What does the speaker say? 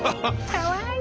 かわいい。